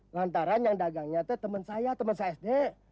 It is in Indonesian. lantaran yang dagangnya itu teman saya teman saya sd